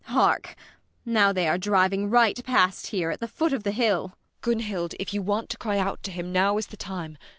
Hark! Now they are driving right past here, at the foot of the hill! ELLA RENTHEIM. [Quickly.] Gunhild, if you want to cry out to him, now is the time!